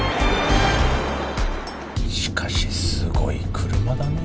しかしすごい車だね。